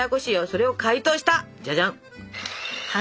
それを解凍したじゃじゃん。